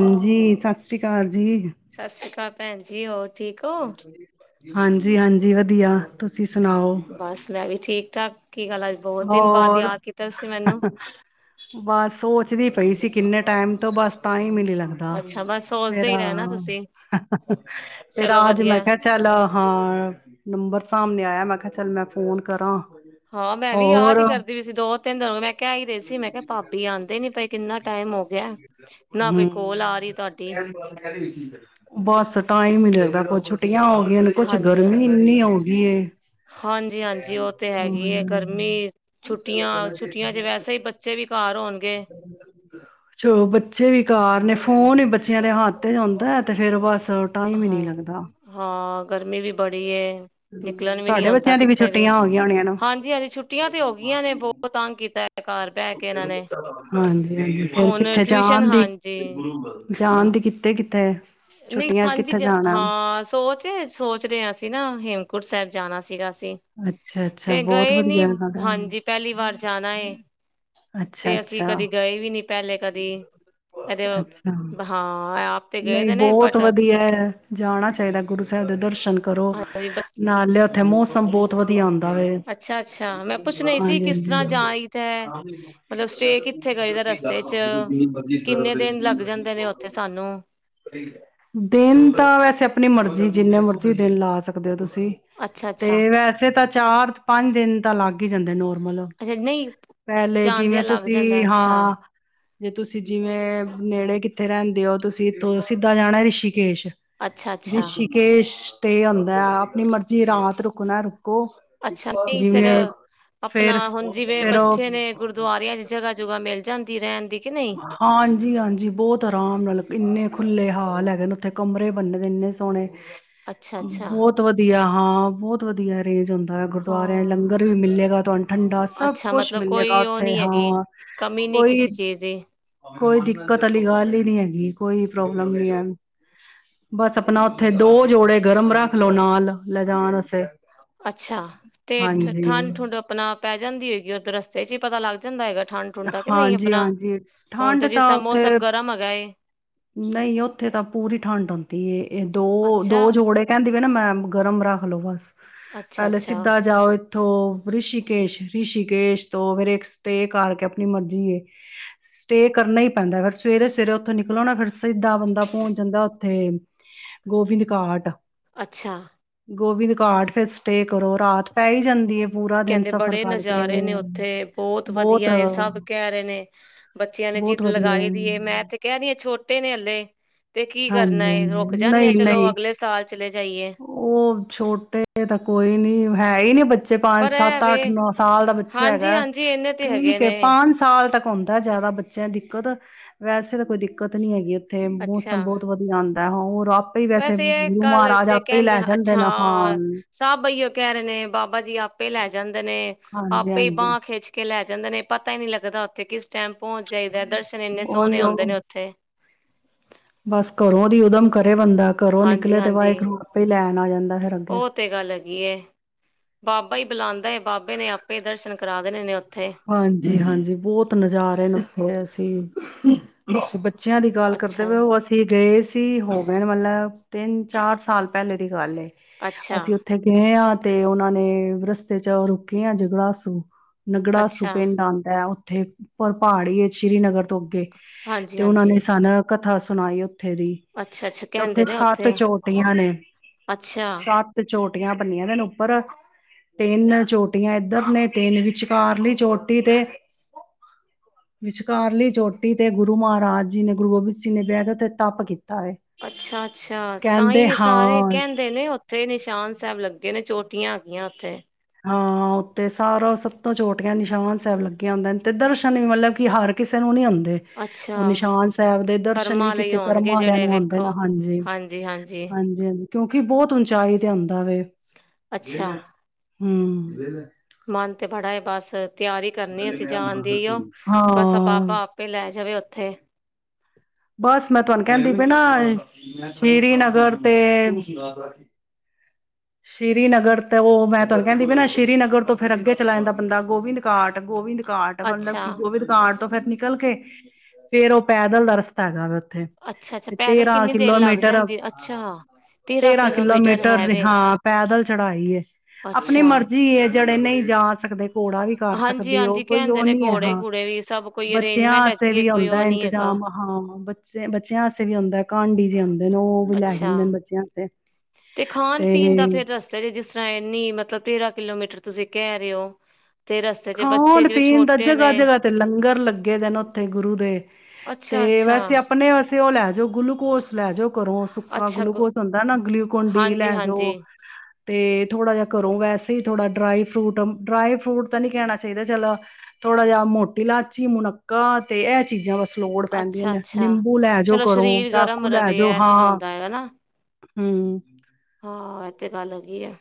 ਹਾਂਜੀ, ਸਤ ਸਸਿ ਕਾਲ ਸਤਿ ਸ੍ਰੀ ਕਾਲ। ਭੈਂਜੀ ਔਰ ਠੀਕ ਔ? ਹਾਂਜੀ-ਹਾਂਜੀ ਵਧੀਆ। ਤੁਸੀਂ ਸੁਣਾਓ ਬਸ ਮੈਂ ਵੀ ਠੀਕ ਠਾਕ। ਕੀ ਗੱਲ ਅੱਜ ਬਹੁਤ ਦਿਨ ਬਾਅਦ ਹੋਰ ਯਾਦ ਕੀਤਾ ਤੁਸੀਂ ਮੈਨੂੰ ਬਸ ਸੋਚਦੀ ਪ ਪਈ ਸੀ ਕਿੰਨੇ ਟੈਮ ਤੋਂ ਬਸ ਟਾਈਮ ਨੀ ਤੇ ਲੱਗਦਾ ਅੱਛਾ ਬਸ ਸੋਚਦੇ ਫੇਰ ਹੀ ਰਹਿਣਾ ਤੁਸੀਂ ਫੇਰ ਚਲੋ ਅਜ ਮੈਂ ਵਧੀਆ ਕਿਹਾ ਚੱਲ ਹਾਂ ਨੰਬਰ ਸਾਹਮਣੇ ਆ ਹੈ ਮੈਂ ਕਿਹਾ ਚੱਲ ਮੈਂ ਫੋਨ ਕਰਾਂ। ਹਾਂ ਮੈਂ ਵੀ ਯਾਦ ਹੋਰ ਹੀ ਕਰਦੀ ਪੀਸੀ ਦੋ ਤਿੰਨ ਦਿਨ ਹੋਗੇ ਮੈਂ ਕਹਿ ਹੀ ਰੀ ਸੀ ਮੈਂ ਕਿਹਾ ਭਾਬੀ ਆਂਦੇ ਨੀ ਨੇ ਕਿੰਨਾ ਟਾਈਮ ਹੋ ਗਿਐ। ਹੂੰ, ਬਸ ਟਾਈਮ ਨੀ ਲੱਗਦਾ, ਕੁਛ ਛੁੱਟੀਆਂ ਹੋ ਗਈਆਂ ਨੇ, ਕੁਛ ਗਰਮੀ ਇੰਨੀ ਹੋਗੀ। [unintelligible] ਹਾਂਜੀ-ਹਾਂਜੀ ਉਹ ਤੇ ਹੈਗੀ ਏ ਗਰਮੀ ਛੁੱਟੀਆਂ -ਛੁੱਟੀਆਂ 'ਚ ਵੈਸੇ ਹੀ ਬੱਚੇ ਵੀ ਘਰ ਹੋਣ [inaudible] ਚਲੋ ਬੱਚੇ ਵੀ ਕਾਰ ਨੇ ਫੋਨ ਵੀ ਬੱਚਿਆਂ ਦੇ ਹੱਥ ਚ ਹੁਦੈਂ ਤੇ ਫੇਰ ਬਸ ਟਾਈਮ ਹੀ ਹਾਂ ਨਹੀਂ ਜ ਲੱਗਦਾ ਹਾਂ ਗਰਮੀ ਵੀ ਬੜੀ ਏ ਹਮ ਨਿਕਲਣ ਵੀ ਨੀ ਤੁਹਾਡੇ ਹੁੰਦਾ ਬੱਚਿਆਂ ਦੀ ਕਿੱਥੇ ਵੀ, ਛੁੱਟੀਆਂ ਹੋ ਗਈਆਂ ਹੋਣੀਆਂ ਨਾ ਹਾਂਜੀ ਏਦੀ ਛੁੱਟੀਆਂ ਤੇ ਹੋ ਗੀਆਂ ਨੇ ਬਹੁਤ ਤੰਗ ਕੀਤੈ ਹਾਂਜੀ, ਹਾਂਜੀ ਹੋਰ ਹੁਣ ਕਿੱਥੇ ਟਿਊਸ਼ਨ ਜਾਣ ਦੀ ਹਾਂਜੀ ਜਾਨ ਦੀ ਕਿਤੇ ਕਿਥੇ। ਨਹੀਂ ਹਾਂਜੀ, ਹਾਂ ਸੋਚ ਸੋਚ ਰਿਹਾ ਸੀ ਨਾ, ਹੇਮਕੁੰਟ ਸਾਹਿਬ ਜਾਣਾ ਸੀਗਾ। ਅਸੀਂ ਅੱਛਾ, ਅੱਛਾ ਤੇ ਬਹੁਤ ਗਏ ਨੀ ਵਧੀਆ ਹਗਾ। ਹਾਂਜੀ ਪਹਿਲੀ ਵਾਰ ਜਾਣਾ ਏ। ਤੇ ਅਸੀਂ ਕਦੇ ਗਏ ਵੀ ਨੀ ਪਹਿਲੇ ਕਦੀ ਕਦੇ। ਹਾਂ, ਐ ਆਪ ਤੇ ਗਏ ਦੇ ਨੇ ਬਟ ਤੋ ਵਧੀਆ ਐ, ਜਾਣਾ ਚਾਹੀਦਾ ਗੁਰੂ ਸਾਹਿਬ ਦੇ ਦਰਸ਼ਨ ਕਰੋ ਹਾਂਜੀ ਨਾਲ ਲਿਆ ਥੇ ਮੌਸਮ ਬਹੁਤ ਵਧੀਆ ਹੁੰਦਾ ਵੇ ਅੱਛਾ ਅੱਛਾ। ਮੈਂ ਹਾਂਜੀ ਪੁੱਛਣਾ ਹੀ ਸੀ ਕਿਸ ਹਾਂਜੀ ਤਰ੍ਹਾਂ ਹਾਂਜੀ। ਜਾਈ ਦਾ। [unintelligible] ਚ ਕਿੰਨੇ ਦਿਨ ਲੱਗ ਜਾਂਦੇ ਨੇ ਉੱਥੇ ਸਾਨੂੰ ਦਿਨ ਤਾਂ ਵੈਸੇ ਆਪਣੀ ਮਰਜੀ ਜ ਜਿੰਨੇ ਮਰਜ਼ੀ ਦਿਨ ਲਾ ਸਕਦੇ ਹੋ ਤੁਸੀਂ ਤੇ ਅੱਛਾ-ਅੱਛਾ ਤੇ ਵੈਸੇ ਤਾਂ ਚਾਰ ਪੰਜ ਦਿਨ ਤਾਂ ਲੱਗ ਹੀ ਜਾਂਦੇ ਨੋ ਅੱਛਾ ਨਹੀਂ ਪਹਿਲੇ ਜਿਵੇਂ ਜਾਣਦਿਆਂ ਲੱਗ ਜਾਂਦਾ ਤੁਸੀਂ ਅੱਛਾ ਹਾਂ। ਜੇ ਤੁਸੀਂ ਜਿਵੇਂ ਨੇੜੇ ਕਿੱਥੇ ਰਹਿੰਦੇ ਹੋ, ਤੁਸੀਂ ਇੱਥੋਂ ਸਿੱਦਾਂ ਜਾਣਾ ਰਿਸ਼ੀ ਕੇਸ਼ ਅੱਛਾ ਅੱਛਾ ਰਿਸ਼ਕੇਸ਼ ਤੇ ਹੋਂਦਾ ਐ ਆਪਣੀ ਮਰਜ਼ੀ ਰਾਤ ਰੁਕਣਾ ਰੁ ਅੱਛਾ ਨਹੀਂ ਫਿਰ ਜਿਵੇਂ ਆਪਣਾ ਫੇਰ ਹੁਣ ਜਿਵੇਂ ਫੇਰ ਔ ਬੱਚੇ ਨੇ ਗੁਰਦਆਰਿਆਂ ਚ ਜਗ੍ਹਾ ਜੁਗਾਹ ਮਿਲ ਜਾਂ ਰਹਿਣ ਦੀ ਕਿ ਨਹੀਂ ਹਾਂਜੀ, ਹਾਂਜੀ, ਬਹੁਤ ਆਰਾਮ ਨਾਲ ਕਿੰਨੇ ਖੁੱਲੇ ਹਾਲ ਹੈਗੇ ਨੇ, ਉੱਥੇ ਕਮਰੇ ਬੰਨੇ ਦੇ ਇੰਨੇ ਸੋਹਣੇ। ਅੱਛਾ ਅੱਛਾ ਬੋਤ ਵਧੀਆ। ਹਾਂ, ਬੋਤ ਵਧੀਆ ਰੇਜ ਹੁੰ [unintelligible] ਗੁਰਦੁਆਰਿਆਂ ਚ ਹਾਂ ਲੰਗਰ ਵੀ ਮਿਲੇਗਾ, ਤੁਹਾਨੂੰ ਠੰਡਾ ਸਭ ਅੱਛਾ ਕੁਛ ਮਤਲਬ ਮਿਲੇਗਾ ਕੋਈ ਉਹ ਉੱਥੇ ਨਹੀਂ ਹੈਗੀ ਹਾਂ ਕਮੀ ਨਹੀਂ ਕੋਈ ਕਿਸੇ ਚੀਜ਼ ਦੀ ਕੋਈ ਦਿੱਕਤ ਵਾਲੀ ਗੱਲ ਹੀ ਨਹੀ ਹੈਗੀ। [unintelligible] ਕੋਈ ਪ੍ਰੋਬਲਮ ਨਹੀਂ ਹੈ। ਬਸ ਆਪਣਾ ਉੱਥੇ ਦੋ ਜੋੜੇ ਗਰਮ ਰੱਖ ਲਓ ਨਾਲ ਲੈਜਾਣ ਅਸਤੇ। ਅੱਛਾ, ਤੇ ਠੰਡ ਠੁੰਡ ਅਪਣਾ ਪੈ ਜਾਂਦੀ ਹੈਗੀ ਉੱਧਰ ਰਸਤੇ ਚ ਹੀ ਪਤਾ ਲੱਗ ਜਾਂਦਾ ਹੈਗਾ ਠੰਡ ਹਠੁੰਡਦਾ ਕਿ ਨਹੀਂ ਹਾਂਜੀ ਆਪਣਾ ਹਾਂਜੀ ਹੁਣ ਠੰਡ ਤੇ ਜਿਸ ਤਾਂ ਤਰ੍ਹਾਂ ਉੱਥੇ ਮੌਸਮ ਗਰਮ ਹੈਗਾ ਨਹੀਂ ਉੱਥੇ ਤਾਂ ਪੂਰੀ ਠੰਡ ਆਉਂਦੀ ਇਹ ਦੋ ਅੱਛਾ ਦੋ ਜੋੜੇ ਕਹਿੰਦੇ ਨਾ ਮੈਂ ਗਰਮ ਰੱਖਲੋ ਬਸ ਅੱਛਾ ਪਹਿਲੇ ਅੱਛਾ ਸਿੱਧਾ ਜਾਓ ਥ ਰਿਸ਼ੀਕੇਸ਼ ਰਿਸ਼ੀਕੇਸ਼ ਤੋਂ ਫੇਿਰ ਇੱਕ ਸਟੇ ਕਰਕੇ ਆਪਣੀ ਮਰਜੀੀ ਏ ਸਟੇਅ ਕਰਨਾ ਹੀ ਪੈਂਦਾ ਫਿਰ ਸਵੇਰੇ ਸਵੇਰੇ ਉੱਥੋਂ ਨ ਗਲੋਣਾ ਫਿਰ ਸਿੱਦਾਂ ਬੰਦਾ ਪਹੁੰਚ ਜਾਂਦਾ ਤੇ ਗੋਵਿੰਦ ਘਾਟ। ਅੱਛਾ ਗੋਵਿੰਦ ਘਾਟ ਸਟੇਅ ਕਰੋ ਰਾਤ ਪੈ ਈ ਜਾਂਦੀ ਏ। ਕੈਦੇ ਬੜੇ ਨਜ਼ਾਰੇ ਨੇ ਉੱਥੇ, ਬੌਤ ਬਹੁਤ ਵਧੀਆ ਏ ਸਭ ਕੈ ਰੇ ਨੇ। ਬੱਚਿਆਂ ਨੇ ਬਹੁਤ ਜਿੱਦ ਵਧੀਆ ਹੈ। ਲਗਾਈ ਦੀ ਏ। ਮੈਂ ਤੇ ਕੈਰੀ ਆ ਛੋਟ ਤੇ ਨੇ ਹਲੇ। ਤੇ ਕੀ ਕਰਨਾ ਹਾਂਜੀ ਏ ਹਾਂਜੀ, ਰੁਕ ਜਾਂਦੇ ਆ ਨਹੀਂ ਚਲੋ ਨਹੀਂ ਅਗਲੇ ਸਾਲ ਚਲੇ ਜਾਈਏ ਓਹ ਛੋਟੇ ਤਾਂ ਕੋਈ ਨੀ ਹੈ ਈ ਨੀ ਜੇ ਪੰਜ, ਪਰ ਇਹ ਸੱਤ, ਵੇ ਅੱਠ, ਨੌ ਸਾਲ ਦਾ ਬੱਚਾ ਹਾਂਜੀ ਹੈਗਾ। ਹਾਂਜੀ ਇਹਨੇ ਤੇ ਹੈਗੇ ਠੀਕ ਏ, ਨੇ ਪੰਜ ਸਾਲ ਤੱਕ ਹੁਣ ਤਾਂ ਜਿਆਦਾ ਬੱਚਿਆਂ ਦੀ ਦਿੱਕਤ। ਵੈਸੇ ਤਾਂ ਕੋਈ ਦਿੱਕਤ ਨੀ ਹੈਗੀ। ਤੇ ਮੋਸ ਅੱਛਾ ਬੌਤ ਵਧੀਆ ਆਣ ਤਾਂ ਔ ਵੈਸੇ ਏ ਗੱਲ ਜੇ ਕੈੰਦੇ ਲੈ ਜਾਂਦੇ ਅੱਛਾ ਨੇ ਹਾਂ ਸਭ ਏਹੋ ਕਹਿ ਰੇ ਨੇ ਬਾਬਾ ਜੀ ਆਪੇ ਲੈ ਜਾਂਦੇ ਕਹਿੰਦੇ ਨੇ ਹਾਂਜੀ ਆਪੇ ਹੀ ਹਾਂਜੀ ਬਾਂਹ ਖਿੱਚ ਕੇ ਲੈ ਜਾਂਦੇ ਨੇ ਪਤਾ ਹੀ ਨਹੀਂ ਲੱਗਦਾ ਔਥੇ ਕਿਸ ਟੈਮ ਪੋਚ ਜੇ ਓਹੀਓ ਬਸ ਘਰੋਂ ਦੀ ਉਦਮ ਕਰੇ ਬੰਦਾ। ਘਰੋਂ ਨਿਕਲੇ ਤੇ ਵਾਹੇਗੁਰੂ ਆਪੇ ਲੈ ਓ ਤੇ ਗੱਲ ਹੈਗੀ ਏ। ਬਾਬਾ ਈ ਬੁਲਾਂਦੈ। ਬਾਬੇ ਨੇ ਆਪੇ ਦਰਸ਼ਨ ਕਰਾ ਦੇਣੇ ਨੇ ਓ ਹਾਂਜੀ ਹਾਂਜੀ, ਬੌਤ ਨਜ਼ਾਰੇ ਨੇ ਉੱਥੇ ਅਸੀਂ। ਬਸ ਬੱਚ ਬੱਚਿਆਂ ਦੀ ਗੱਲ ਅੱਛਾ ਕਰਦੇ ਪਏ ਹੋ। ਅਸੀਂ ਗਏ ਸੀ ਤੀ ਹੋ ਗਏ ਨੇ ਮਤਲਬ ਤਿੰਨ ਚਾਰ ਸਾਲ ਪੈਲੇ ਦੀ ਗੱਲ ਏ। ਅੱਛਾ ਅਸੀਂ ਉੱਥੇ ਗਏ ਆਂ। ਤੇ ਉਹਨਾਂ ਨੇ ਰਸਤੇ ਚ ਰੁੱਕੇ ਆ ਜਗਲਾਸੂ ਨਗੜਾ ਸੁ ਅੱਛਾ ਪਿੰਡ ਆਂਦੈ। ਉੱਥੇ ਉੱਪਰ ਪਹਾੜੀ ਏ ਸ੍ਰੀਨਗਰ ਤੋਂ ਅੱਗੇ। [inaudible] ਹਾਂਜੀ ਤੇ ਉਹਨਾਂ ਨੇ ਹਾਂਜੀ ਸਾਨ ਕਥਾ ਸੁਣਾਇਓ। ਥਰੀ, ਅੱਛਾ ਅੱਛਾ ਕਿ ਉੱਥੇ ਕਹਿੰਦੇ ਨੇ ਸੱਤ ਚੋਟੀਆਂ ਨੇ ਅੱਛਾ ਸੱਤ ਚੋਟੀ ਟੀਆਂ ਭੰਨੀਆਂ ਦੇ ਨੇ ਉੱਪਰ। ਤਿੰਨ ਚੋਟੀਆਂ ਇੱਧਰ ਨੇ, ਤਿੰਨ ਵਿਚਕਾਰ ਲਈ ਚੋਟੀ ਤੇ, ਵਿਚਕਾਰਲੀ ਚੋਟੀ ਤੇ ਗੁਰੂ ਮਹਾਰਾਜ ਜੀ ਨੇ ਗੁਰੂ ਗੋਬਿੰਦ ਸਿੰਘ ਨੇ ਬਹਿ ਕੇ ਉਥੇ ਤੱਪ ਕੀਤਾ। ਹੈ ਅੱਛਾ ਅੱਛਾ ਤਾਂ ਕਹਿੰਦੇ ਹੀ ਹਾਂ ਸਾਰੇ ਕਹਿੰਦੇ ਨੇ ਉੱਥੇ ਨਿਸ਼ਾਨ ਸਾਹਿਬ ਲੱਗ ਗੇ ਨੇ ਚੋਟੀਆਂ ਹੈਗੀਆਂ ਉੱਥੇ। ਹਾਂ ਉੱਥੇ ਸਾਰਾ ਸਤਾਂ ਛੋਟੀਆਂ ਨਿਸ਼ਾਂਨ ਸਾਹਿਬ ਲੱਗੀਆਂ ਹੁੰਦੇ ਤੇ ਦਰਸ਼ਨ ਵੀ ਮਤਲਬ ਕਿ ਹਰ ਕਿਸੇ ਨੂੰ ਨਹੀਂੀ ਹੁੰ ਅੱਛਾ ਉਹ ਨਿਸ਼ਾਨ ਸਾਹਿਬ ਦੇ ਦਰਸ਼ਨ ਵੀ ਕਰਮਾਂ ਲਈ ਕਿਸੇ ਹੋਣਗੇ ਕਰਮਾਂ ਆਲਿਆਂ ਜਿਹੜੇ ਨੂੰ ਹੁੰਦੇ ਨੇ ਵੇਖੋ ਹਾਂਜੀ, ਹਾਂਜੀ ਹੰ। ਕਿਉਂਕਿ ਬਹੁਤ ਉਚਾਈ ਤੇ ਆਉਦਾ ਵ ਵੇਲੈਂ ਅੱਛਾ ਹੂੰ ਮਨ ਤੇ ਬੜਾ ਏ ਬਸ ਤਿਆਰੀ ਕਰਨੀ ਅਸੀਂ ਜਾਣ ਦੀ ਔ ਬਸ ਹਾਂ ਬਾਬਾ ਆਪੇ ਲੈ ਜਾਵੇ ਉੱਥੇ। ਬਸ ਮੈਂ ਤੁਹਾਨੂੰ ਕਹਿੰਦੀ ਪ ਨਾ ਸ਼੍ਰੀਨਗਰ ਤੇ ਸ਼੍ਰੀ ਨਗਰ ਤੇ ਉਹ ਮੈਂ ਤੁਹਾਨੂੰ ਕਹਿੰਦੀ ਪੀ ਨਾ ਸ਼੍ਰੀ ਨਗਰ ਤੋਂ ਫਿਰ ਅੱਗੇ ਚਲਾ ਜਾਂਦਾ ਬੰਦਾ ਗੋਬਿੰਦ ਘਾਟ ਗੋਬਿੰਦ ਘਾਟ ਮਤਲਬ ਅੱਛਾ ਕਿ ਗੋਬਿੰਦ ਦੇ ਘਾਟ ਤੋ ਫਿਰ ਨਿਕਲ ਕੇ ਫਿਰ ਉਹ ਪੈਦਲ ਦਾ ਰਸਤਾ ਹੈਗਾ ਵੇ ਓ ਅੱਛਾ ਅੱਛਾ ਪੈਦਲ ਕਿੰਨੀ ਦੇਰ ਲੱਗ ਜਾਂਦੀ, ਅੱਛਾ ਤੇਰਾਂ ਕਿਲੋਮੀਟਰ ਹੈ ਵੇ। ਹਾਂ ਪੈਦਲ ਚੜਾਈ ਏ। ਆਪਣੀ ਅੱਛਾ। ਮਰਜ਼ੀ ਏ ਜੜੇ ਨਈ ਜਾ ਸਕਦੇ ਪਕੋੜਾ ਵੀ ਕਰ ਸਕਦੇ ਹੋ ਹਾਂਜੀ-ਹਾਂਜੀ ਕੋਈ ਕਹਿੰਦੇ ਉਹ ਨੇ ਨੀ ਹੈ ਹਾਂ ਘੋੜੇ-ਘੂੜੇ ਵੀ ਸਭ ਕੋਈ ਬੱਚਿਆਂ ਅਰੇਂਜਮੈਂਟ ਵਾਸਤੇ ਹੈਗੀ ਏ ਵੀ ਕੋਈ ਆਉਂਦਾ ਉਹ ਨੀ ਹੈਗਾ। ਇੰਤਜ਼ਾਮ, ਹਾਂ ਬ ਬੱਚਿਆਂ ਵਾਸਤੇ ਵੀ ਹੁੰਦਾ ਕਾਂਡੀ ਜੇ ਆਉਦੇ ਉਹ ਲੈ ਅੱਛਾ ਜਾਂਦੇ ਬੱਚਿਆਂ ਆਸੇ ਪੀਣ ਦਾ ਫੇਰ ਰਸਤੇ ਚ ਜਿਸ ਤਰ੍ਹਾਂ ਇੰਨੀ ਮਤਲਬ ਤੇਰਾਂ ਕਿਲੋਮੀ ਮੀਟਰ ਤੁਸੀਂ ਕਹਿ ਰਹੇ ਹੋ ਤੇ ਰਸਤੇ ਚ ਬੱਚੇ ਖਾਣ ਜਿਵੇਂ ਪੀਣ ਦਾ ਛੋਟੇ ਨੇ ਜਗ੍ਹਾ-ਜਗ੍ਹਾ ਤੇ ਲੰਗਰ ਲੱਗੇ ਦੇ ਨੇ ਉੱਥੇ ਗੁਰੂ ਦੇ ਤੇ ਅੱਛਾ-ਅੱਛਾ, ਵੈਸੇ ਆਪਣੇ ਵਸ ਤੇ ਉਹ ਲੈਨ ਗਲੂਕੋਸ ਲੈ ਜਾਓ ਕਰੋ ਸੁੱਕਾ ਅੱਛਾ ਗਲੂਕੋਸ ਹੁੰਦਾ ਨਾ ਗਲੂਕੋਨ ਡੀ ਲੈ ਹਾਂਜੀ-ਹਾਂਜੀ, ਜਾਓ ਤੇ ਥੋੜਾ ਜਿਹਾ ਕਰੋ ਵੈਸੇ ਏਹ ਥੋੜਾ ਡਰਾਈ ਫਰੂਟ ਡਰਾਈ ਫਰੂਟ ਤਾਂ ਨੀ ਕਹਿਣਾ ਚਾਹੀਦਾ ਚਲੋ ਥੋੜਾ ਜਿਹਾ ਮੋਟੀ ਇਲਾਚੀ, ਮੁਨੱਕਾਂ ਤੇ ਇਹ ਚੀਜ਼ਾਂ ਬਸ ਲੋੜ ਪੈਂਦੀਆਂ ਨੇ ਅੱਛਾ-ਅੱਛਾ। ਨਿੰਬੂ ਲੈ ਜਾਓ ਚਲੋ ਘਰੋਂ, ਸਰੀਰ ਗਰਮ ਚਾਕੂ ਲੈ ਰਵੇ ਜਾਓ ਐ ਹਾਂ। ਹੁੰਦਾ ਹੈਗਾ ਨਾ ਹੁੰ ਹਾਂ ਇਹ ਤੇ ਗੱਲ ਹੈਗੀ ਆ।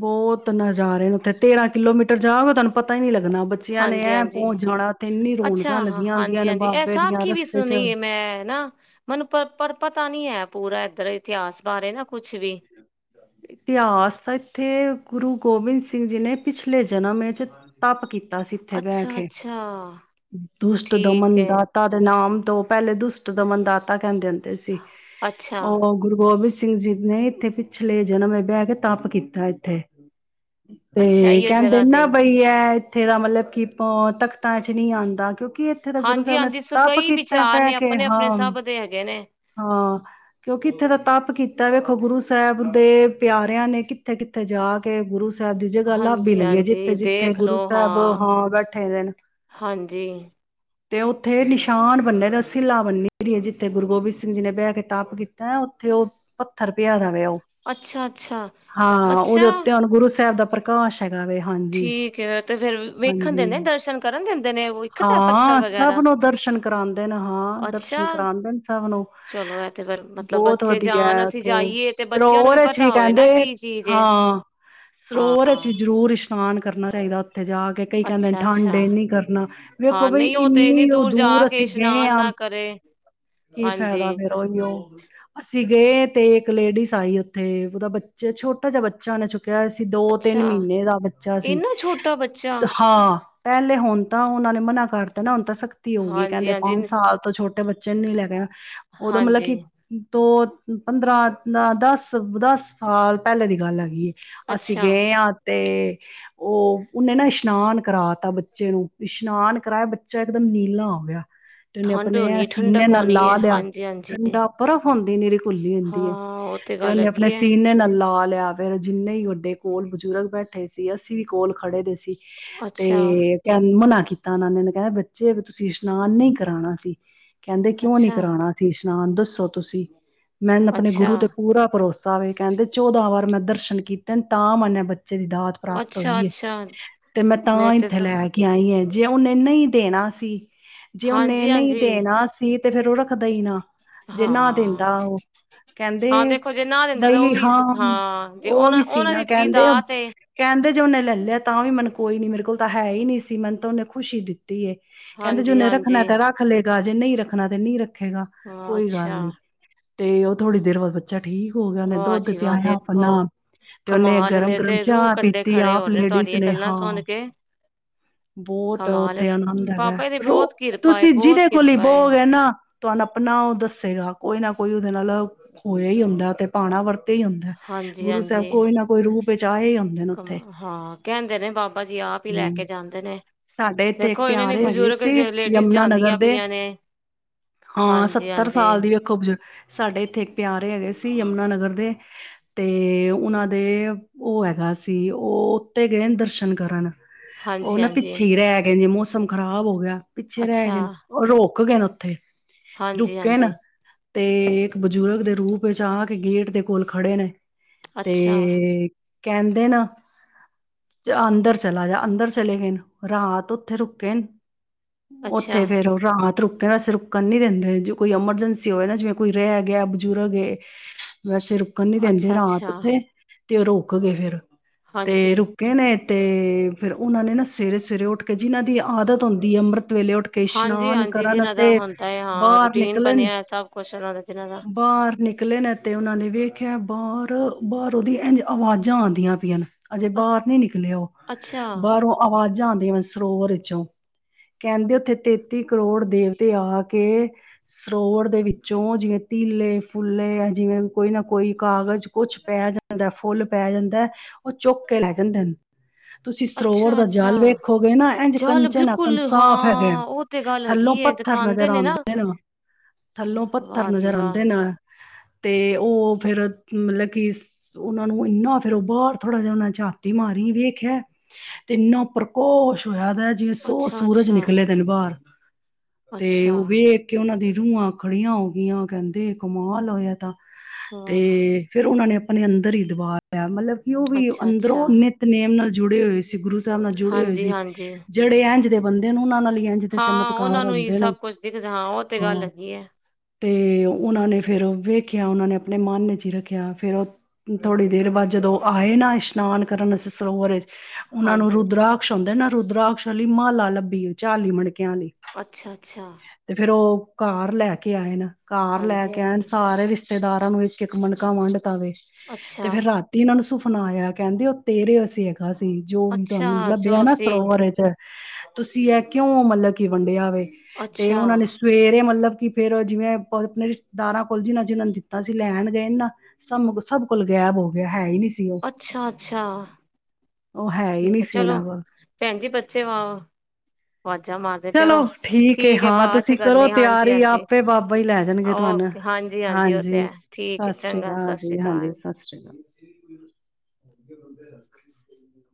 ਬਹੁਤ ਨਜ਼ਾਰੇ ਨੇ ਉੱਥੇ ਤੇਰਾਂ ਕਿਲੋਮੀਟਰ ਜਾਊਗਾ ਤੁਹਾਨੂੰ ਪਤਾ ਹੀ ਨੀ ਲੱਗ ਹਾਂਜੀ -ਹਾਂਜੀ ।ਅੱਛਾ ਰੌਣਕਾਂ ਲੱਗੀਆਂ ਹੁੰਦੀਆਂ ਹਾਂਜੀ ਨੇ -ਹਾਂਜੀ ਇਹ ਬਾਬੇ ਦੀਆਂ ਸਾਖੀ ਵੀ ਰਸਤੇ ਚ ਸੁਣੀਏ ਮੈਂ ਨਾ ਮੈਨੂੰ ਪਰ ਪਰ ਪਤਾ ਨੀ ਹੈ। ਪੂਰਾ ਇੱਧਰ ਇਤਿਹਾਸ ਬਾਰੇ ਨਾ ਕੁਛ ਵੀ ਇਤਿਹਾਸ ਇੱਥੇ ਗੁਰੂ ਗੋਬਿੰਦ ਸਿੰਘ ਜੀ ਨੇ ਪਿਛਲੇ ਜਨਮ ਵਿੱਚ ਤਪ ਕੀਤਾ। ਸੀ ਇੱਥੇ ਬਹਿ ਕੇ ਅੱਛਾ-ਅੱਛਾ ਦੁਸ਼ਟ ਠੀਕ ਦਮਨ ਹੈ ਦਾਤਾ ਦੇ ਨਾਮ ਦੋ ਪਹਿਲੇ ਦੁਸ਼ਟ ਦਮਨਦਾਤਾ ਕਹਿੰਦੇ ਹ ਤੇ ਅਸੀ ਅੱਛਾ-ਅੱਛਾ ਉਹ ਗੁਰੂ ਗੋਬਿੰਦ ਸਿੰਘ ਸਿੰਘ ਜੀਤ ਨੇ ਇੱਥੇ ਪਿਛਲੇ ਜਨਮ ਇਹ ਬਹਿ ਕੇ ਤਪ ਕੀਤਾ ਇੱਥੇ ਤੇ ਇਹੀਓ ਕਹਿੰਦੇ ਜਗ੍ਹਾ ਤੇ ਨਾ ਹੀ ਬਈ ਇਹ ਤੇ ਇਹਦਾ ਮਤਲਬ ਕੀਪਾ ਤਖ਼ਤਾ ਚ ਨੀ ਆਉਂਦਾ ਕਿਉਕਿ ਕਿ ਇੱਥੇ ਦਾ ਗੁਰੂ ਸਾਹਿਬ ਨੇ ਹਾਂਜੀ-ਹਾਂਜੀ ਸੋ ਤਪ ਕਈ ਕੀਤਾ ਵਿਚਾਰ ਬੈ ਨੇ ਕੇ ਹਾਂ ਆਪਣੇ-ਆਪਣੇ ਸਭ ਦੇ ਹੈਗੇ ਨੇ ਹਾਂ ਕਿਉਂਕਿ ਇੱਥੇ ਦਾ ਤਪ ਕੀਤਾ ਵ ਗੁਰੂ ਸਾਹਿਬ ਦੇ ਪਿਆਰਿਆਂ ਨੇ ਕਿੱਥੇ ਕਿੱਥੇ ਜਾ ਕੇ ਗੁਰੂ ਸਾਹਿਬ ਦੀ ਜਗ੍ਹਾ ਲੱਭੀ ਲਈਏ ਜਿੱਥੇ ਹਾਂਜੀ-ਹਾਂਜੀ ਜਿੱਥੇ ਦੇਖ ਲੋ ਗੁਰੂ ਸਾਹਿਬ ਹਾਂ ਬੈਠੇ ਦੇਨ ਹਾਂਜੀ ਤੇ ਉੱਥੇ ਨਿਸ਼ਾਨ ਬੰਨੇ ਦਾ ਸਿੱਲਾ ਬੰਨੀਏ ਜਿੱਥੇ ਗੁਰੂ ਗੋਬਿੰਦ ਸਿੰਘ ਜੀ ਨੇ ਬੈ ਕੇ ਤਪ ਕੀਤਾ ਉੱਥੇ ਉਹ ਪੱਥਰ ਪਿਆ ਦਾ। [inaudible] ਅੱਛਾ-ਅੱਛਾ ਅੱਛਾ ਹਾਂ ਉਹਦੇ ਅੱਛਾ ਉੱਤੇ ਹੁਣ ਗੁਰੂ ਸਾਹਿਬ ਦਾ ਪ੍ਰਕਾਸ਼ ਹੈਗਾ ਵੇ ਹਾਂਜੀ ਠੀਕ ਹੈ ਤੇ ਫੇਰ ਵੇਖਣ -ਹਾਂਜੀ ਦਿੰਦੇ ਨੇ ਦਰਸ਼ਨ ਕਰਨ ਦਿੰਦੇ ਨੇ ਉਹ ਇੱਕ ਤਾਂ ਪੱਥਰ ਹਾਂ ਸਭ ਵਗੈਰਾ ਨੂੰ ਦਰਸ਼ਨ ਕਰਾਉਂਦੇ ਨੇ ਹਾਂ ਦਰਸ਼ਨ ਅੱਛਾ ਕਰਾਉਂਦੇ ਨੇ ਸਭ ਨੂੰ ਚਲੋ ਇਹ ਤੇ ਫਿਰ ਮਤਲਬ ਬਹੁਤ ਬੱਚੇ ਵਧੀਆ ਜਾਣ ਅਸੀਂ ਉੱਥੇ ਜਾਈਏ ਤੇ ਬੱਚਿਆਂ ਨੂੰ ਸਰੋਵਰ 'ਚ ਵੀ ਪਤਾ ਹੋਵੇ ਨਾ ਕਹਿੰਦੇ ਕੀ ਚੀਜ਼ ਏ। ਹਾਂ ਹਾਂ ਸਰੋਵਰ'ਚ ਵੀ ਜ਼ਰੂਰ ਇਸ਼ ਨਾਨ ਕਰਨਾ ਚਾਹੀਦਾ। [unintelligible] ਉੱਥੇ ਜਾ ਕੇ ਕਈ ਕਹਿੰਦੇ ਅੱਛਾ ਅੱਛਾ ਠੰਡ ਨੀ ਕਰਨਾ ਵੇਖੋ ਹਾਂ ਬਈ ਨਹੀਂ ਉਹ ਤੇ ਇੰਨੀ ਏਨੀ ਉਹ ਜਾ ਦੂਰ ਕੇ ਅਸੀਂ ਗਏ ਇਸ਼ਨਾਨ ਹਾਂ ਨਾ ਕਰੇ ਕੀ ਹਾਂਜੀ ਫਾਇਦਾ ਫਿਰ ਉਹੀ ਉਹ ਅਸੀਂ ਗਏ ਤੇ ਇੱਕ ਲੇਡੀਜ਼ ਆਈ ਉੱਥੇ ਉਹਦਾ ਬੱਚੇ ਛੋਟਾ ਜਿਹਾ ਬੱਚਾ ਨੇ ਛੁ ਕਿਹਾ ਸੀ ਦੋ ਤਿੰਨ ਅੱਛਾ ਮਹੀਨੇ ਦਾ ਬੱਚਾ ਸੀ ਇੰਨਾ ਛੋਟਾ ਬੱਚਾ ਤੇ ਹਾਂ। ਪਹਿਲੇ ਹੁਣ ਤਾਂ ਉਹਨਾਂ ਨੇ ਮਨਾ ਕਰਤਾ ਨਾ ਹੁਣ ਤਾਂ ਸਖਤੀ ਹੋ ਗਈ ਹਾਂਜੀ ਕਹਿੰਦੇ ਹਾਂਜੀ ਪੰਜ ਸਾਲ ਤੋਂ ਛੋਟੇ ਬੱਚੇ ਨੂੰ ਨਹੀਂ ਲੈ ਕੇ ਉਦੋਂ ਮਤਲਬ ਹਾਂਜੀ ਕਿ ਦੋ ਪੰਦਰਾਂ ਨਾ ਦਸ ਦਸ ਸਾਲ ਪਹਿਲੇ ਦੀ ਗੱਲ ਹੈਗੀ ਏ। ਅਸੀਂ ਅੱਛਾ ਗਏ ਹਾਂ ਤੇ ਉਹ ਉਹਨੇ ਨਾ ਇਸ਼ਨਾਨ ਕਰਾ ਤਾ ਬੱਚੇ ਨੂੰ ਵੀ ਇਸ਼ਨਾਨ ਕਰਾਇਆ ਬੱਚਾ ਇਕਦਮ ਨੀਲਾ ਹੋ ਗਿਆ। ਤੇ ਉਹਨੇ ਠੰਡ ਆਪਣੇ ਹੋਣੀ ਸੀਨੇ ਠੰਡਕ ਨਾਲ ਹੋਣੀ ਲਾ ਹੈ ਲਿਆ ਹਾਂਜੀ ਹਾਂਜੀ ਠੰਡਾ ਬਰਫ਼ [unintelligible] ਭੁੱਲੀ ਹਾਂ ਹੁੰਦੀ ਹੈ। ਉਹ ਤੇ ਗੱਲ ਉਹਨੇ ਆਪਣੇ ਹੈਗੀ ਹੈ ਸੀਨੇ ਨਾਲ ਲਾ ਲੇ ਫਿਰ ਜਿੰਨੇ ਹੀ ਵੱਡੇ ਕੋਲ ਬਜ਼ੁਰਗ ਬੈਠੇ ਸੀ ਅਸੀਂ ਵੀ ਕੋਲ ਖੜੇ ਦੇ ਸੀ। ਤੇ ਅੱਛਾ ਚੱਲ ਮਨਾ ਤਾ ਨਾਨੇ ਨੇ ਕਿਹਾ ਬੱਚੇ ਫ਼ਿਰ ਤੁਸੀਂ ਇਸ਼ਨਾਨ ਨੀ ਕਰਾਉਣਾ ਸੀ। ਕਹਿੰਦੇ ਕਿਉਂ ਨੀ ਅੱਛਾ ਕਰਾਉਣਾ ਸੀ। ਨਾ ਦੱਸੋ ਤੁਸੀਂ। ਮੈ ਨਾ ਆਪਣੇ ਅੱਛਾ ਗੁਰੂ ਪੂਰਾ ਭਰੋਸਾ ਵੈ, ਕਹਿੰਦੇ ਚੌਦਾਂ ਵਾਰ ਮੈਂ ਦਰਸ਼ਨ ਕੀਤੇ ਤਾਂ ਮੰਨੇ ਜੇੜੀ ਦਾਤ ਪ੍ਰਾਪਤ ਅੱਛਾ ਹੋਈ ਹੈ, ਅੱਛਾ ਤੇ ਮੈਂ ਤਾਂ ਇੱਥੇ ਲੈ ਕੇ ਆਈ ਐ। ਜੇ ਉਹਨੇ ਨਹੀਂ ਹੀ ਦੇਣਾ ਸੀ। ਜੇ ਉਹਨੇ ਹਾਂਜੀ ਨਈ ਹਾਂਜੀ ਦੇਣਾ ਸੀ ਤੇ ਫੇਰ ਉਹ ਰੱਖਦਾ ਈ ਨਾ। ਜਿੰਨਾ ਹਾਂ ਦਿੰਦਾ ਉਹ ਹਾਂ ਦੇਖੋ ਜੇ ਨਾ ਦਿੰਦਾ ਤੇ ਉਹ ਵੀ ਸੀ ਹਾਂ, ਜੇ ਉਹ ਵੀ ਸੀ ਉਹਨਾਂ ਨਾ ਦਿੱਤੀ ਕਹਿੰਦੇ ਦਾਤ ਐ। ਕਹਿੰਦੇ ਜੇ ਉਹਨੇ ਲੈ ਲਿਆ ਤਾ ਵੀ ਮੈਨੂੰ ਕੋਈ ਨੀ ਮੇਰੇ ਕੋਲ ਤਾਂ ਹੈ ਹੀ ਨਹੀਂ ਸੀ ਮੈਨੂੰ ਤਾਂ ਉਹਨੇ ਖੁਸ਼ੀ ਦਿੱਤੀ। ਟੀ ਐ ਕਹਿੰਦੇ ਜੇ ਹਾਂਜੀ ਉਹਨੇ ਰੱਖਣਾ ਹਾਂਜੀ ਐ ਤਾਂ ਰੱਖ ਲੇ। ਰਾਜੇ ਨਹੀਂ ਰੱਖਣਾ ਤੇ ਨਹੀ ਰੱਖ ਖੇਗਾ ਹਾਂ ਕੋਈ ਗੱਲ ਅੱਛਾ ਨੀ ਤੇ ਉਹ ਥੋੜੀ ਦੇਰ ਬਾਅਦ ਬੱਚਾ ਠੀਕ ਹੋ ਗਿਆ, ਉਹਨੇ ਵਾਹ ਦੁੱਧ ਜੀ ਵਾਹ ਪਿਆਇਆ ਦੇਖੋ ਆਪਣਾ ਤੇ ਉਹਨੇ ਕਮਾਲ ਏ, ਗਰਮ ਮੇਰੇ ਗਰਮ ਤੇ ਰੂਹ ਚਾਹ ਕੰਡੇ ਪੀਤੀ, ਖੜੇ ਹੋ ਆਪ ਰਹੇ ਲੇਡੀਜ਼ ਤੁਹਾਡੀਆਂ ਨੇ ਗੱਲਾਂ ਸੁਣ ਹਾਂ, ਕੇ ਬਹੁਤ ਕਮਾਲ ਏ ਉਥੇ ਆਨੰਦ ਹੈਗਾ, ਬਾਬਾ ਜੀ ਦੀ ਰੋ ਬਹੁਤ ਕਿਰਪਾ ਏ ਤੁਸੀਂ ਬਹੁਤ ਜਿਹਦੇ ਕੋਲ ਈ ਕਿਰਪਾ ਏ ਬਹੋਗੇ ਨਾ ਤੁਹਾਨੂੰ ਆਪਣਾ ਉਹ ਦੱਸੇਗਾ ਕੋਈ ਨਾ ਕੋਈ ਉਹਦੇ ਨਾਲ ਹੋਇਆ ਹੀ ਹੁੰਦਾ ਤੇ ਭਾਣਾ ਵਰਤ ਇਹੀ ਹੁੰਦਾ, ਹਾਂਜੀ ਗੁਰੂ ਸਾਹਿਬ ਹਾਂਜੀ ਕੋਈ ਨਾ ਕੋਈ ਰੂਪ ਵਿਚ ਆ ਹੀ ਜਾਂਦੇ ਨੇ ਕਮਾ ਉੱਥੇ। ਹਾਂ ਕਹਿੰਦੇ ਨੇ ਬਾਬਾ ਜੀ ਆਪ ਹੀ ਲੈ ਹੂੰ, ਕੇ ਜਾਂਦੇ ਨੇ ਸਾਡੇ ਇੱਥੇ ਇੱਕ ਦੇਖੋ ਇਹਨਾਂ ਨੇ ਪਿਆਰੇ ਹੈਗੇ ਬਜ਼ੁਰਗ ਸੀ, ਲੇਡੀਜ਼ ਯਮੁਨਾ ਨਗਰ ਜਾਂਦੀਆਂ ਦੇ, ਪਈਆਂ ਨੇ ਹਾਂ ਹਾਂਜੀ ਸੱਤਰ ਹਾਂਜੀ ਸਾਲ ਦੀ ਵੇਖੋ ਬਜ਼ੁਰਗ ਸਾਡੇ ਇੱਥੇ ਸਾਰੇ ਹੈਗੇ ਸੀ ਯਮੁਨਾ ਨਗਰ ਦੇ, ਤੇ ਉਹਨਾਂ ਦੇ ਉਹ ਹੈਗਾ ਸੀ, ਉਹ ਉੱਤੇ ਗਏ ਨੇ ਦਰਸ਼ਨ ਕਰਨ। ਉਹ ਹਾਂਜੀ ਨਾ ਹਾਂਜੀ ਪਿੱਛੇ ਹੀ ਰਹਿ ਗਏ ਨੇ ਮੋਸ ਮੌਸਮ ਖ਼ਰਾਬ ਹੋ ਗਿਆ। ਪਿੱਛੇ ਰਹਿ ਅੱਛਾ ਗਏ ਨੇ [unintelligible] ਕਿਉ ਗਏ ਨੇ ਉੱਥੇ ਹਾਂਜੀ, ਰੁਕੇ ਨਾ ਹਾਂਜੀ। ਤੇ ਇੱਕ [unintelligible] ਬਜ਼ੁਰਗ ਦੇ ਰੂਪ ਵਿੱਚ ਆ ਕੇ ਗੇਟ ਦੇ ਕੋਲ ਖੜੇ ਨੇ। ਤੇ ਅੱਛਾ ਕਹਿੰਦੇ ਨੇ ਅੰਦਰ ਚਲਾ ਜਾ ਅੰਦਰ ਚਲੇ ਗਏ ਨੇ ਰਾਤ ਉੱਥੇ ਰੁਕੇ ਨੇ ਅੱਛਾ ਉੱਥੇ ਫੇਰ ਉਹ ਰਾਤ ਰੁ ਕਹਿੰਦਾ ਅਸੀ ਰੁਕਣ ਨਹੀਂ ਦਿੰਦੇ ਜੇ ਕੋਈ ਐਮਰਜੈਂਸੀ ਹੋਵੇ ਨਾ ਜਿਵੇਂ ਕੋਈ ਰਹਿ ਗਿਆ ਬਜ਼ੁਰਗ ਏ ਵੈਸੇ ਰੁਕਣ ਨੀ ਰਹਿੰਦੇ ਰਾਤ ਅੱਛਾ-ਅੱਛਾ, ਉੱਥੇ ਤੇ ਰੁਕ ਗਏ ਫੇਰ। ਤੇ ਹਾਂਜੀ। ਰੁਕੇ ਨੇ ਅਤੇ ਫਿਰ ਉਹਨਾਂ ਨੇ ਨਾ ਸਵੇਰੇ ਸਵੇਰੇ ਉੱਠ ਕੇ ਜਿਨਾਂ ਦੀ ਆਦਤ ਹੁੰਦੀ ਹੈ ਅੰਮ੍ਰਿਤ ਵੇਲੇ ਉੱਠ ਕੇ ਹਾਂਜੀ ਇਸ਼ਨਾਨ ਹਾਂਜੀ ਕਰਨ ਜਿਨਾਂ ਦਾ ਅਸੇ ਹੁੰਦਾ ਹੈ, ਹਾਂ ਬਾਹਰ ਰੂਟੀਨ ਨਿਕਲਣ ਬਣਿਆ ਸਭ ਕੁਛ ਉਹਨਾਂ ਦਾ ਦਾ ਬਾਹਰ ਨਿਕਲੇ ਨੇ ਤੇ ਉਹਨਾ ਨੇ ਵੇ ਖਿਆ ਬਾਹਰ ਬਾਹਰ ਉਹਦੀ ਇ ਆਵਾਜ਼ਾਂ ਆਉਂਦੀਆਂ ਪਈਆਂ ਨੇ ਅਜੇ ਅ ਬਾਹਰ ਨੀ ਨਿਕਲੇ ਉਹ ਅੱਛਾ, ਬਾਹਰੋਂ ਆਵਾਜ਼ ਜਾਂਦੇ ਵ ਸਰੋਵਰ ਵਿੱਚੋਂ ਕਹਿੰਦੇ ਉੱਥੇ ਤੇਤੀ ਕਰੋੜ ਦੇਵਤੇ ਆ ਕੇ ਸਰੋਵਰ ਦੇ ਵਿੱਚੋਂ ਜਿਵੇਂ ਤਿਲ ਲੇ ਫੁੱਲਲੇ ਆ ਜਿਵੇ ਕੋਈ ਨਾ ਕੋਈ ਕਾਗਜ਼ ਕੁਛ ਪੈ ਜਾਂਦਾ ਫੁੱਲ ਪੈ ਜਾਂਦਾ। ਉਹ ਚੁਕ ਕੇ ਲੈ ਜਾਂਦੇ ਨੇ ਤੁਸੀਂ ਸਰੋਵਰ ਦਾ ਅੱਛਾ-ਅੱਛਾ। ਜਲ ਵੇਖੋਗੇ ਨਾ ਇੰਝ ਜਲ ਕੰਚਨ ਆਕਣ ਬਿਲਕੁਲ ਸਾਫ਼ ਹੈਗੇ। ਹਾਂ ਉਹ ਤੇ ਗੱਲ ਹੈਗੀ ਥੱਲੋਂ ਏ ਪੱਥਰ ਨਜ਼ਰ ਦਿਖਾਂਦੇ ਨੇ ਆਉਂਦੇ ਨਾ, ਥੱਲੋਂ ਪੱਥਰ ਵਾਹ ਜੀ ਵਾਹ, [unintelligible] ਤੇ ਉਹ ਫੇਿਰ ਮਤਲਬ ਕਿ ਉਹਨਾ ਨੂੰ ਇੰਨਾ ਫੇਿਰ ਉਹ ਬਾਹਰ ਥੋੜ੍ਹਾ ਜਿਹਾ ਉਹਨਾ ਨੇ ਝਾਤੀ ਮਾਰੀ ਵੇਖਿਆ ਤੇ ਇੰਨਾ ਪ੍ਰਕੋਸ਼ ਹੋਇਆ । ਜਿਵੇਂ ਸੌ ਸੂਰਜ ਅੱਛਾ-ਅੱਛਾ, ਨਿਕਲੇ ਦੇ ਨੇ ਬਾਹਰ ਤੇ ਅੱਛਾ ਅੱਛਾ ਉਹ ਵੀ ਇੱਕ ਉਹਨਾਂ ਦੀ ਨੂੰਆਂ ਖੜੀਆਂ ਹੋ ਜਆ ਕਹਿੰਦੇ ਕਮਾਲ ਹੋਇਆ ਤਾਂ ਤੇ ਵਾਹ। ਫੇਿਰ ਉਹਨਾਂ ਨੇ ਆਪਣੇ ਅੰਦਰ ਹੀ ਦੀ ਦਬਾ ਲਿਆ ਮਤਲਬ ਕਿ ਉਹ ਵੀ ਅੱਛਾ-ਅੱਛਾ, ਅੰਦਰੋਂ ਨਿੱਤ ਨੇਮ ਨਾਲ ਜੁ ਜੁੜੇ ਹੋਏ ਸੀ ਗੁਰੂ ਅਤ ਨਾਲ ਜੁੜੇ ਹੋਏ ਸੀ ਹਾਂਜੀ-ਹਾਂਜੀ। ਜਿਹੜੇ ਇੰਝ ਦੇ ਬੰਦੇ ਨੂੰ ਉਨ੍ਹਾਂ ਨਾਲ ਹੀ ਇੰਝ ਦੇ ਹਾਂ ਚਮਤਕਾਰ ਉਹਨਾਂ ਨੂੰ ਹੀ ਹੁੰਦੇ ਨੇ ਸਭ ਕੁਛ ਦਿਖਦੇ ਹਾਂ ਉਹ ਤੇ ਗੱਲ ਹਾਂ ਹੈਗੀ ਏ। ਤੇ ਉਹਨਾਂ ਨੇ ਫਿਰ ਵੇਖਿਆ ਉਹਨਾਂ ਨੇ ਆਪਣੇ ਮਨ ਇੱਚ ਈ ਰੱਖਿਆ ਫਿਰ ਉਹ ਥੋੜੀ ਦੇਰ ਬਾਅਦ ਜਦੋਂ ਆਏ ਨਾ ਇਸ਼ਨਾਨ ਕਰਨ ਅਸੀ ਸਰੋਵਰ ਇੱਚ ਉਹਨਾਂ ਨੂੰ ਹਾਂਜੀ। ਰੁਦਰਾਕਸ਼ ਹੁੰਦੇ ਨਾ ਰੁਦਰਾਾਕਸ਼ ਵਾਲੀ ਮਾਲਾ ਲੱਭੀ ਏ ਚਾਲੀ ਮਨਕੇ ਕਿਹਾ ਨਹੀ ਅੱਛਾ-ਅੱਛਾ, ਤੇ ਫਿਰ ਉਹ ਕਾਰ ਲੈ ਕੇ ਇਹ ਆਏ ਨਾ। ਘਰ ਲੈ ਕੇ ਆਏ ਨੇ ਹਾਂਜੀ-ਹਾਂਜੀ, ਸਾਰੇ ਰਿਸ਼ਤੇਦਾਰ ਸਾਨੂੰ ਇਕ ਇਕ ਮਨਕਾਂ ਵੰਡ ਤਾਵੇ, ਤੇ ਅੱਛਾ। ਫੇਰ ਰਾਤੀ ਇਹਨਾਂ ਨੂੰ ਫਣਾਇਆ ਕਹਿੰਦੇ ਉਹ ਤੇਰੇ ਅਸੀ ਸੀ ਜੋ ਵੀ ਅੱਛਾ ਤੁਹਾਨੂੰ ਲੱਭਿਆ ਜੋ ਨਾ ਸੀ ਸਰੋਵਰ ਚ ਤੁਸੀਂ ਇਹ ਕਿਉਂ ਮਤਲਬ ਕਿ ਵੰਡਿਆ ਵੇ ਤੇ ਅੱਛਾ ਉਹਨਾਂ ਨੇ ਸਵੇਰੇ ਮਤਲਬ ਕਿ ਫੇਰ ਜਿਵੇਂ ਆਪਣੇ ਰਿਸ਼ਤੇਦਾਰਾਂ ਕੋਲ ਜਿਨਾ ਜਿਹਨਾਂ ਨੂੰ ਦਿੱਤਾ ਸੀ ਲੈਣ ਦੇਣ ਗਏ ਨਾ, ਸਭ ਸਭ ਕੋਲ ਗਾਇਬ ਹੋ ਗਿਆ ਹੈ, ਹੈ ਹੀ ਨਹੀਂ । ਅੱਛਾ ਅੱਛਾ ਉਹ ਹੀ ਠੀਕ ਨਹੀਂ ਹੈ, ਸੀ ਚਲੋ ਉਹਨਾਂ ਕੋਲ ਭੈਣਜੀ, ਬੱਚੇ ਵ ਚਲੋ ਠੀਕ ਐ ਹੈ ਹਾਂ ਬਾਅਦ ਚ ਤੁਸੀਂ ਕਰੋ ਕਰਨੀ ਤਿਆਰੀ ਹਾਂਜੀ-ਹਾਂਜੀ ਆਪੇ ਬਾਬਾ ਜੀ ਹੀ ਲੈ ਜਾਣਗੇ ਤੁਹਾਨੂੰ ਓਕੇ ਹਾਂਜੀ-ਹਾਂਜੀ ਉਹ ਤੇ ਹਾਂਜੀ ਹੈ ਠੀਕ ਸਤਿ ਹੈ ਸ੍ਰੀ ਚੰਗਾ ਸਤਿ ਅਕਾਲ ਸ੍ਰੀ ਜੀ ਹਾਂਜੀ ਅਕਾਲ ਸਤਿ ਸ੍ਰੀ ਅਕਾਲ ਬ [unintelligible]